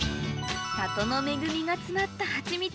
里の恵みが詰まったハチミツ